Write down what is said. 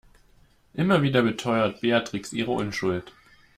Immer wieder beteuert Beatrix ihre Unschuld.